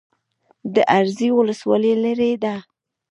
د ازرې ولسوالۍ لیرې ده